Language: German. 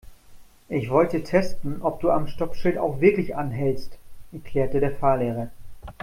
Ich wollte testen, ob du am Stoppschild auch wirklich anhältst, erklärte der Fahrlehrer.